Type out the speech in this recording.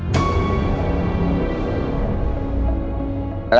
ยูบไปเลยครับ